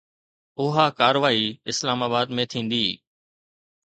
اها ڪارروائي اسلام آباد ۾ ٿيندي.